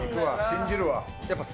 信じるわ。